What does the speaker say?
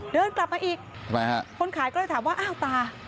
เดินกลับมาอีกทำไมฮะคนขายก็เลยถามว่าอ้าวตา